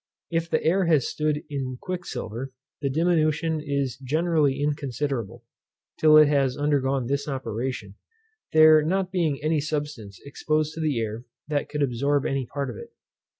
If the air has stood in quicksilver, the diminution is generally inconsiderable, till it has undergone this operation, there not being any substance exposed to the air that could absorb any part of it.